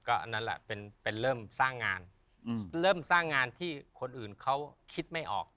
อันนั้นแหละเป็นเริ่มสร้างงานเริ่มสร้างงานที่คนอื่นเขาคิดไม่ออก